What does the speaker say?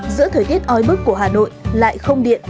giữa thời tiết oi bức của hà nội lại không điện